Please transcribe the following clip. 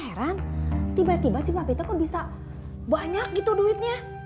sekarang tiba tiba si papi tuh kok bisa banyak gitu duitnya